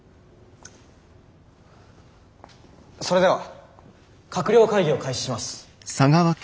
それでは閣僚会議を開始します。